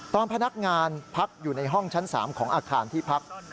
พนักงานพักอยู่ในห้องชั้น๓ของอาคารที่พัก